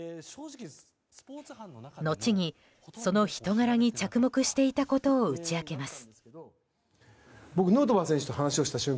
後にその人柄に着目していたことを打ち明けます。